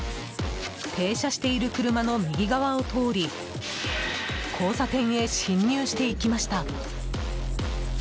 停車している車の右側を通り交差点へ進入していきました。